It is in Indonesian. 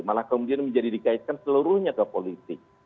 malah kemudian menjadi dikaitkan seluruhnya ke politik